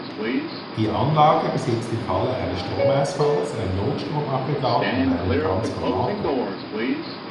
Die Anlage besitzt im Falle eines Stromausfalls ein Notstromaggregat und einen Transformator.